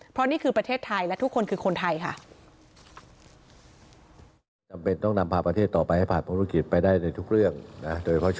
เพราะนี่คือประเทศไทยและทุกคนคือคนไทยค่ะ